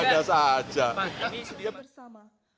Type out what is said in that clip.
ini sudah bersama